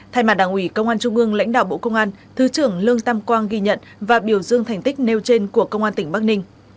thay mặt đảng ủy công an trung ương lãnh đạo bộ công an thứ trưởng lương tam quang ghi nhận và biểu dương thành tích nêu trên của công an tỉnh bắc ninh